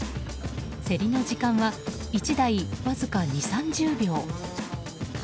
競りの時間は１台わずか２０３０秒。